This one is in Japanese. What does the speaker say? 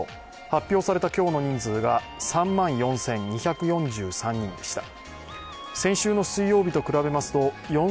発表された今日の人数が３万４２４３人でした。